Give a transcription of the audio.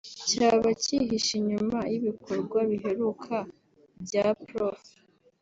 cyaba cyihishe inyuma y’ibikorwa biheruka bya Prof